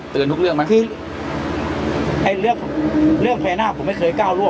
เตือนทุกเรื่องไหมเรื่องพญานาคผมไม่เคยก้าวร่วม